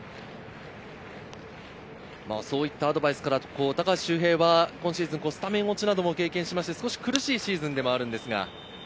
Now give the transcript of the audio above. そういうアドバイスから高橋周平は今シーズン、スタメン落ちなども経験して、少し苦しいシーズンでもあります。